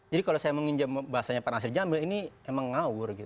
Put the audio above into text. jadi kalau saya menginjam bahasanya pak nasir jamil ini memang ngawur